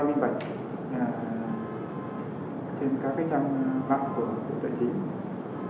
minh bạch trên các cái trang mạng của bộ tài chính